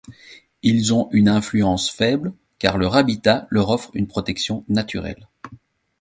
Ils ont une influence faible car leur habitat leur offre une protection naturelle.